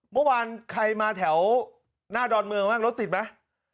เมื่อวานใครมาแถวหน้าดอร์นเมืองเว่งรถติดมั้ย